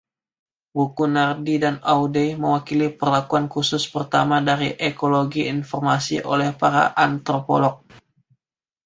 Buku Nardi dan O'Day mewakili perlakuan khusus pertama dari ekologi informasi oleh para antropolog.